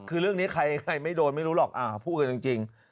คือเรื่องนี้ใครไม่โดนไม่รู้หรอกพูดกันจริง